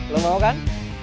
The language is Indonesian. lo mau kan